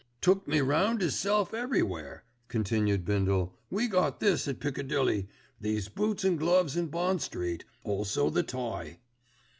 "Took me round 'isself everywhere," continued Bindle. "We got this 'at in Piccadilly, these boots an' gloves in Bond Street, also the tie."